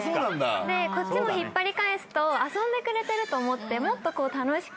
こっちも引っ張り返すと遊んでくれてると思ってもっと楽しく。